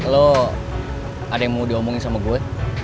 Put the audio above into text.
lo ada yang mau diomongin sama gue